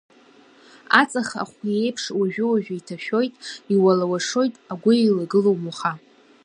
Аҵых ахәиеиԥш уажәы-уажәы еиҭашәоит, иуалуашоит, агәы еилагылом уаха.